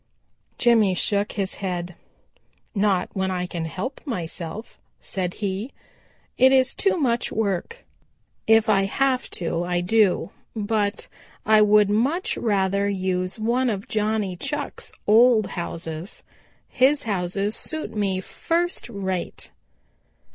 Jimmy shook his head. "Not when I can help myself," said he, "It is too much work. If I have to I do, but I would much rather use one of Johnny Chuck's old houses. His houses suit me first rate."